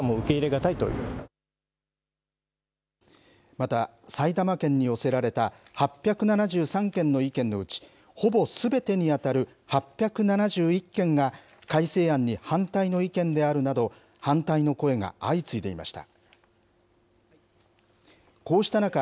また、埼玉県に寄せられた８７３件の意見のうち、ほぼすべてに当たる８７１件が、改正案に反対の意見であるなど、反対の声が相次いでいました。